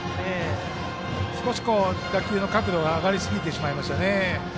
少し打球の角度が上がりすぎてしまいましたね。